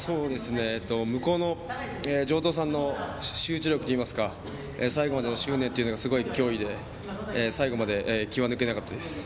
向こうの城東さんの集中力といいますか最後までの執念がすごい脅威で最後まで気を抜けなかったです。